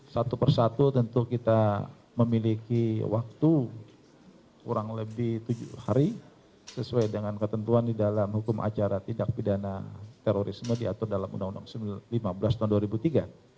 satu persatu tentu kita memiliki waktu kurang lebih tujuh hari sesuai dengan ketentuan di dalam hukum acara tindak pidana terorisme diatur dalam undang undang lima belas tahun dua ribu tiga